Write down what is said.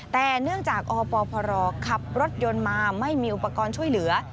แต่เนื่องจากอปพรขับรถยนต์มาไม่มีอุปกรณ์ช่วยเหลือ